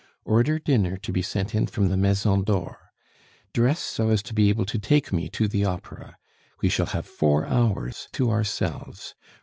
Order dinner to be sent in from the Maison d'or. Dress, so as to be able to take me to the Opera. We shall have four hours to ourselves.